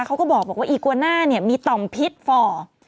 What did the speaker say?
เขาก็บอกว่าอีกวะน่ามีต่อมพิษฟอร์